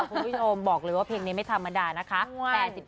คุณผู้ชมบอกเลยว่าเพลงนี้ไม่ธรรมดานะคะ